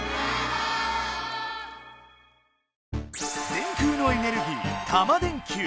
電空のエネルギー「タマ電Ｑ」。